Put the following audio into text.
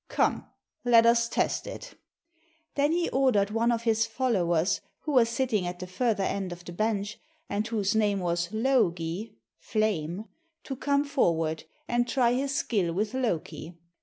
Come, let us test it." Then he ordered one of his followers who was sitting at the further end of the bench, and whose name was Logi (Flame) to come forward, and try his skill with Loki.